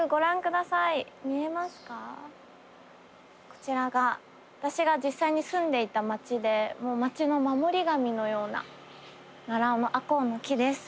こちらが私が実際に住んでいた町で町の守り神のような奈良尾のアコウの木です。